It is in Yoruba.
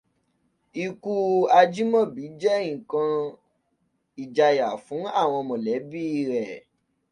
Ikú Àjìmọ̀bí jẹ́ nǹkan ìjayà fún àwọn mọ̀lẹ́bí rẹ̀.